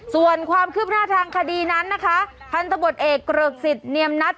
ส่วนความคืบหน้าทางคดีนั้นนะคะพันธบทเอกเกริกสิทธิ์เนียมนัด